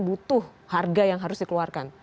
butuh harga yang harus dikeluarkan